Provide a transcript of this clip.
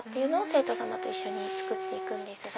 生徒様と一緒に作って行くんです。